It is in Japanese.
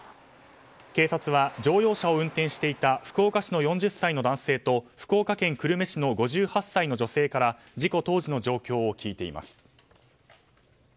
警察は、乗用車を運転していた福岡市の４０歳の男性と福岡県久留米市の５８歳の女性から事故当時の状況を聞いています。